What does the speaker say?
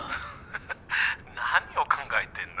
ハハハ何を考えてんの？